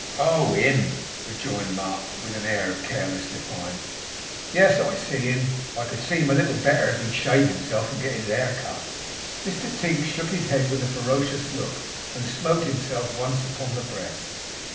'Oh HIM!' rejoined Mark, with an air of careless defiance. 'Yes, I see HIM. I could see him a little better, if he'd shave himself, and get his hair cut.' Mr Tigg shook his head with a ferocious look, and smote himself once upon the breast.